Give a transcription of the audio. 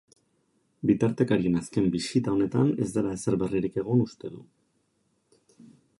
Bitartekarien azken bisita honetan ez dela ezer berririk egon uste du.